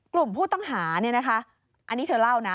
กลุ่มผู้ต้องหาอันนี้เธอเล่านะ